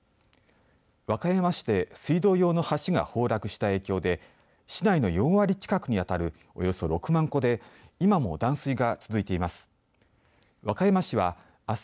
和歌山市で、水道用の橋が崩落した影響で市内の４割近くにあたるおよそ６万戸で今も断水が続いています。